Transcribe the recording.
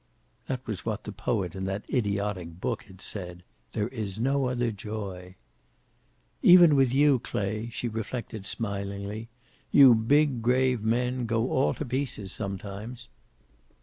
That was what the poet in that idiotic book had said: "There is no other joy." "Even you, Clay," she reflected, smilingly. "You big, grave men go all to pieces, sometimes."